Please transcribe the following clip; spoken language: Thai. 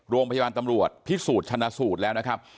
โรงพยาบาลตำรวจพิสูจน์ชนะสูตรแล้วนะครับ